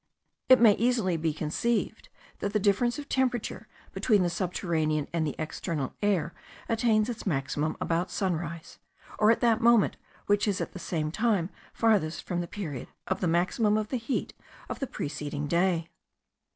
It may easily be conceived, that the difference of temperature between the subterranean and the external air attains its maximum about sunrise, or at that moment which is at the same time farthest from the period of the maximum of the heat of the preceding day.